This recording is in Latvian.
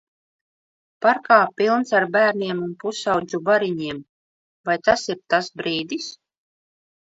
Parkā pilns ar bērniem un pusaudžu bariņiem. Vai tas ir tas brīdis.